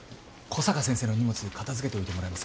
小坂先生の荷物片付けておいてもらえますか？